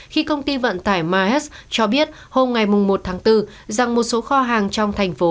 khi công ty vận tải mahes cho biết hôm ngày một tháng bốn rằng một số kho hàng trong thành phố